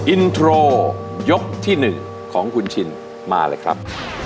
อินโทรยกที่๑ของคุณชินมาเลยครับ